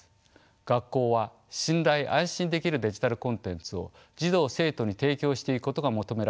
学校は信頼安心できるデジタルコンテンツを児童生徒に提供していくことが求められています。